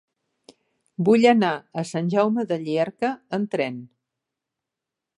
Vull anar a Sant Jaume de Llierca amb tren.